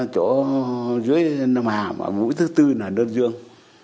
chỗ dưới năm hàm mũi thứ tư là ở đơn dương